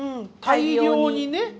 大量にね。